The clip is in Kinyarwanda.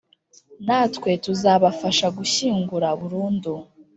natwe tuzabafasha gushyingura burundu